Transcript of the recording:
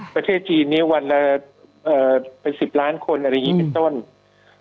ประเทศจีนเนี้ยวันละเอ่อเป็นสิบล้านคนอะไรอย่างงี้เป็นต้น